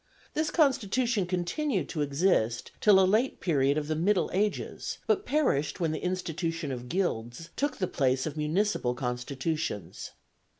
This constitution continued to exist till a late period of the middle ages, but perished when the institution of guilds took the place of municipal constitutions.